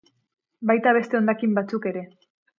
Baita beste hondakin batzuk ere.